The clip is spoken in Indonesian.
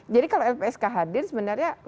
jadi kalau lpsk hadir sebenarnya ada